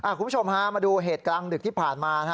คุณผู้ชมฮะมาดูเหตุกลางดึกที่ผ่านมา